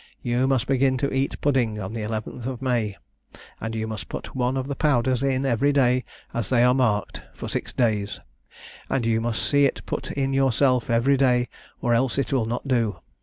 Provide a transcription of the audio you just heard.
You must begin to eat pudding on the 11th of May, and you must put one of the powders in every day as they are marked, for six days and you must see it put in yourself every day or else it will not do.